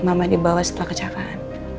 mama tekang ke galeri ke raya